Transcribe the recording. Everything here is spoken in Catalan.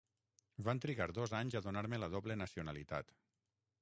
Van trigar dos anys a donar-me la doble nacionalitat.